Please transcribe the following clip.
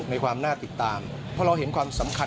กลกนั่งแสงก่อนหน้าตาดี